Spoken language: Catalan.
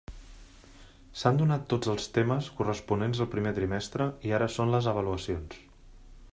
S'han donat tots els temes corresponents al primer trimestre i ara són les avaluacions.